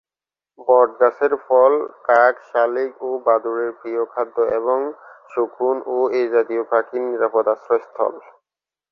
বট গাছের ফল কাক, শালিক ও বাদুড়ের প্রিয় খাদ্য এবং শকুন ও এ জাতীয় পাখির নিরাপদ আশ্রয়স্থল।